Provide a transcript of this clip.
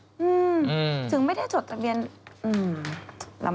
ถึงไม่ได้จดทะเบียนลำบาก